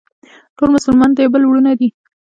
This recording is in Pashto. ټول مسلمانان د یو بل وروڼه دي.